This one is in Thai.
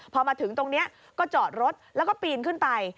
พอมาถึงตรงนี้ก็จอดรถแล้วก็ปีนขึ้นไป